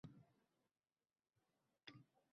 Birdan uni qanchalik ozganini, vaznini yo‘qotganini sezdim